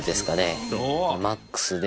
マックスで。